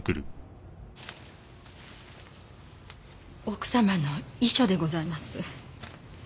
奥様の遺書でございます。